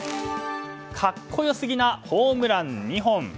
格好良すぎなホームラン２本。